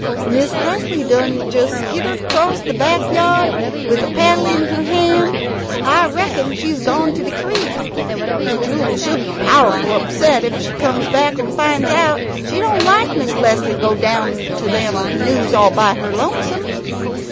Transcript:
"Miss Leslie done jes' skittered acrost de back yahd wid a paddle in her han'. I reckum she's gone to de crick. Miss Jewel, she'll be powerful upset ef she comes back an' finds out. She don't like Miss Leslie go down to them canoes all by her lonesome."